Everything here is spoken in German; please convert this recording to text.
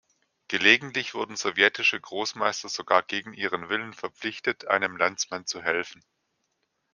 Gelegentlich wurden sowjetische Großmeister sogar gegen ihren Willen verpflichtet, einem Landsmann zu helfen.